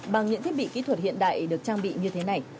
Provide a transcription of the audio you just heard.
bằng những thiết bị kỹ thuật hiện đại được trang bị như thế này